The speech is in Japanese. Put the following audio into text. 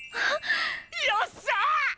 よっしゃ！